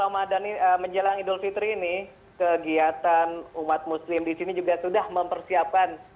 ramadan menjelang idul fitri ini kegiatan umat muslim di sini juga sudah mempersiapkan